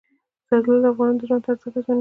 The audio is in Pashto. زردالو د افغانانو د ژوند طرز اغېزمنوي.